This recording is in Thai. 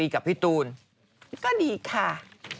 ก็ดีค่ะ